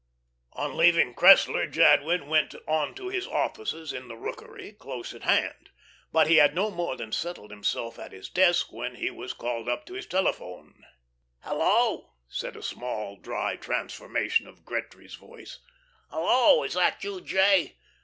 On leaving Cressler Jadwin went on to his offices in The Rookery, close at hand. But he had no more than settled himself at his desk, when he was called up on his telephone. "Hello!" said a small, dry transformation of Gretry's voice. "Hello, is that you, J.?